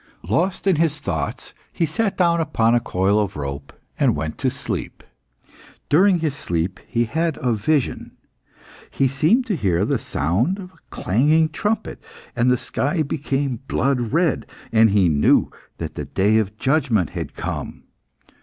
Lost in his thoughts, he sat down upon a coil of rope, and went to sleep. During his sleep, he had a vision. He seemed to hear the sound of a clanging trumpet, and the sky became blood red, and he knew that the day of judgment had come.